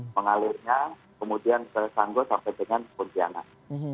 mengalirnya kemudian ke sanggo sampai dengan kondianan